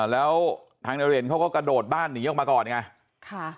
แล้วทางนายเรนเขาก็กระโดดบ้านหนีออกมาก่อนไง